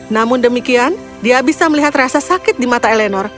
namun demikian dia bisa melihat rasa sakit di mata eleanor